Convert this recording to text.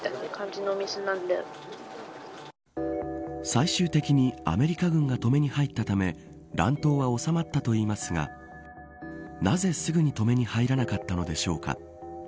最終的にアメリカ軍が止めに入ったため乱闘は収まったといいますがなぜ、すぐに止めに入らなかったのでしょうか。